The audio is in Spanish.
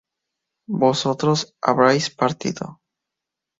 vosotros habríais partido